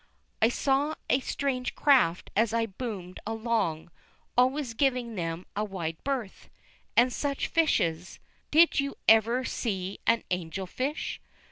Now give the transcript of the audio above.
I saw strange craft as I boomed along, always giving them a wide berth. And such fishes! Did you ever see an angel fish?